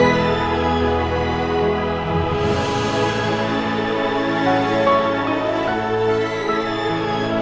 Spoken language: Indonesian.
kamu bikin mau sabaran